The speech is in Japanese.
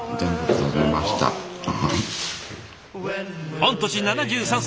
御年７３歳。